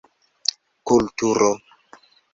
Kulturo: